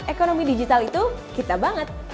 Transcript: ekonomi digital itu kita banget